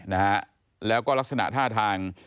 นะฮะแล้วก็ลักษณะท่าทาง